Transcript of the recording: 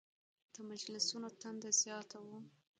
د مجلسونو تنده زیاته وه.